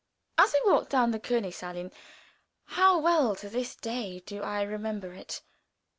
As we walked down the Königsallée how well to this day do I remember it!